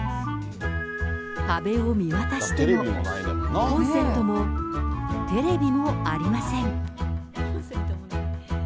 壁を見渡しても、コンセントもテレビもありません。